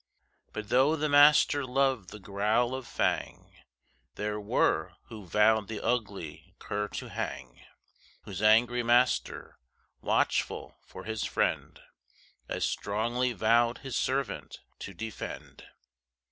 But though the master loved the growl of Fang There were who vowed the ugly cur to hang, Whose angry master, watchful for his friend, As strongly vowed his servant to defend.